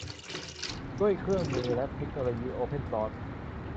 ด้วยเครื่องมือและเทคโนโลยีโอเพ่นซอร์ส